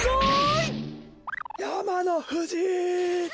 やまのふじ！